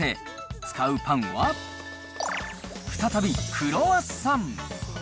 使うパンは、再びクロワッサン。